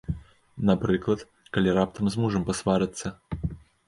Напрыклад, калі раптам з мужам пасварацца.